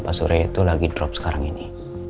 pak sure lagi drop sekarang ini